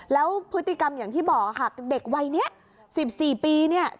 แล้วพฤติกรรมอย่างที่บอกค่ะเด็กวัย๑๔ปี